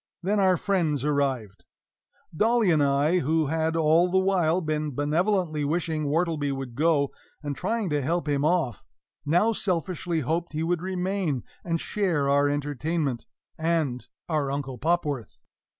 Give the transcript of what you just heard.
Then our friends arrived. Dolly and I, who had all the while been benevolently wishing Wortleby would go, and trying to help him off, now selfishly hoped he would remain and share our entertainment and our Uncle Popworth.